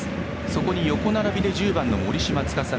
そこに横並びで１０番の森島司。